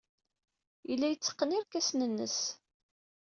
Yella yetteqqen irkasen-nnes.